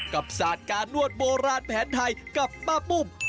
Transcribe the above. กับศาสตร์การนวดโบแลนแผนไทยกับปะปุ้บ